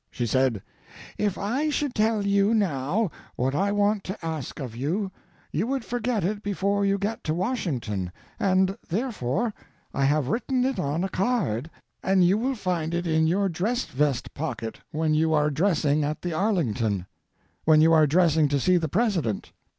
She said, "If I should tell you now what I want to ask of you, you would forget it before you get to Washington, and, therefore, I have written it on a card, and you will find it in your dress vest pocket when you are dressing at the Arlington—when you are dressing to see the President."